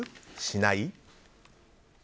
しない？